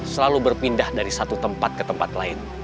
selalu berpindah dari satu tempat ke tempat lain